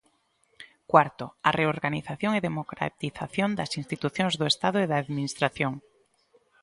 Cuarto, a reorganización e democratización das institucións do Estado e da Administración.